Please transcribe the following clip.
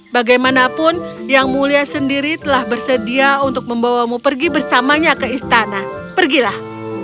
bagaimanapun yang mulia sendiri telah bersedia untuk membawamu pergi bersamanya ke istana pergilah